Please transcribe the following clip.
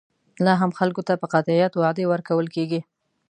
لا هم خلکو ته په قاطعیت وعدې ورکول کېږي.